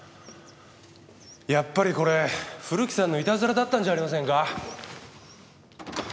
やっぱりこれ古木さんのいたずらだったんじゃありませんか？